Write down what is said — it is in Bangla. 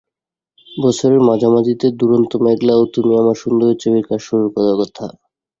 বছরের মাঝামাঝিতে দুরন্ত মেঘলা ও তুমি আমার সুন্দরী ছবির কাজ শুরুর কথা।